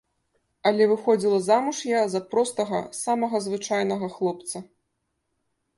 Але выходзіла замуж я за простага, самага звычайнага хлопца.